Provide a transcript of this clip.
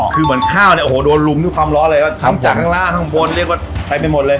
คือเหมือนข้าวเนี่ยโอ้โหโดนลุมด้วยความร้อนเลยทั้งจากข้างล่างข้างบนเรียกว่าเต็มไปหมดเลย